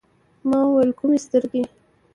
ما ویل: کومي سترګي ؟